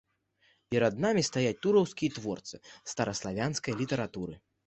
Перад намі стаяць тураўскія творцы стараславянскай літаратуры.